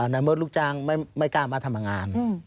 ในเมื่อลูกจ้างไม่กล้ามาทำงาน